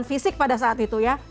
dan fisik pada saat itu ya